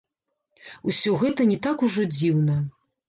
Усё гэта не так ужо дзіўна.